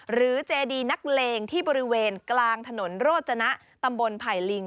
เจดีนักเลงที่บริเวณกลางถนนโรจนะตำบลไผ่ลิง